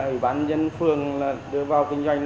ủy ban nhân phường đưa vào kinh doanh